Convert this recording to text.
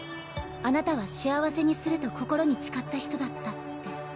あなたは幸せにすると心に誓った人だったって。